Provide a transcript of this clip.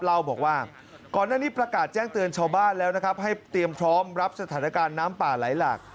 เล่าบอกว่าก่อนหน้านี้ประกาศแจ้งเตือนชาวบ้านแล้วนะครับให้เตรียมพร้อมรับสถานการณ์น้ำป่าไหลหลาก